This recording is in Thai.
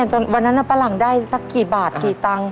จนกว่านั้นน่ะประหลังได้กี่บาทกี่ตังค์